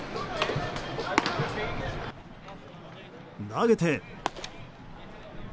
投げて。